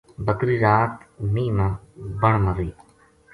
بکری رات مینہ ما بن ما رہی